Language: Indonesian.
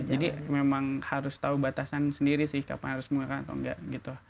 jadi memang harus tahu batasan sendiri sih kapan harus menggunakan atau enggak gitu